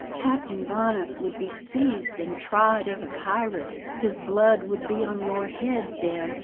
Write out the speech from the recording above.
Captain Bonnet would be seized and tried as a pirate. His blood would be on your head, Ben!"